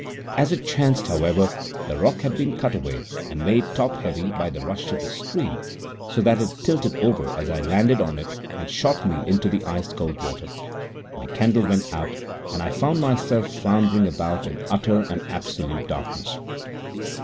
As it chanced, however, the rock had been cut away and made top heavy by the rush of the stream, so that it tilted over as I landed on it and shot me into the ice cold water. My candle went out, and I found myself floundering about in utter and absolute darkness.